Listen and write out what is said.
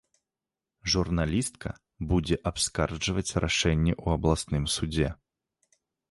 Журналістка будзе абскарджваць рашэнне ў абласным судзе.